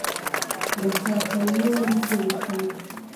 Ndashaka bimwe muri ibyo bitabo.